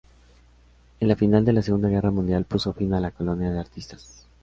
El final de la Segunda Guerra Mundial puso fin a la colonia de artistas.